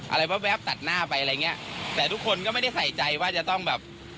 อะไรแวบตัดหน้าไปอะไรอย่างเงี้ยแต่ทุกคนก็ไม่ได้ใส่ใจว่าจะต้องแบบ